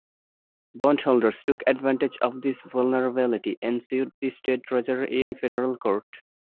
Bondholders took advantage of this vulnerability and sued the state treasurer in federal court.